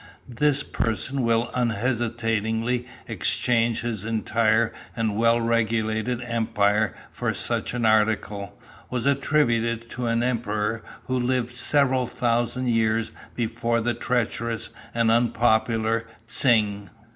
This person will unhesitatingly exchange his entire and well regulated Empire for such an article,' was attributed to an Emperor who lived several thousand years before the treacherous and unpopular Tsing.